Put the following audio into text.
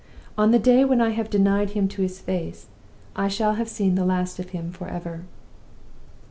On the day when I have denied him to his face, I shall have seen the last of him forever.